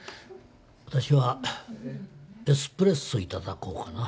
私はエスプレッソ頂こうかな。